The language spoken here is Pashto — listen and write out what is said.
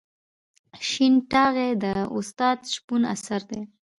شین ټاغی د استاد شپون اثر دی.